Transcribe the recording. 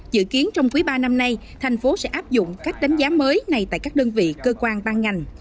dự kiến trong quý ba năm nay thành phố sẽ áp dụng các đánh giá mới này tại các đơn vị cơ quan ban ngành